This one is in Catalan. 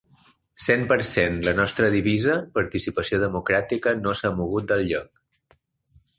Cent per cent La nostra divisa, participació democràtica, no s’ha mogut de lloc.